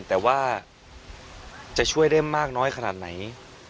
แต่ว่าจะช่วยได้มากน้อยขนาดไหน